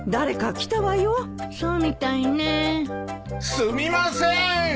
・すみませーん！